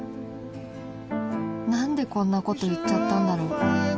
何でこんなこと言っちゃったんだろう？